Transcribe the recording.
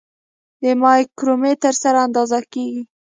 د مایکرومتر سره اندازه کیږي.